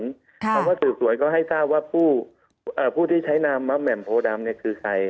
คำว่าสืบสวนก็ให้ทราบว่าผู้ที่ใช้นามว่าแหม่มโพดำคือใคร